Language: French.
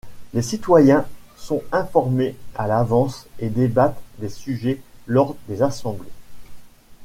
Les citoyens sont informés à l'avance et débattent des sujets lors des assemblées.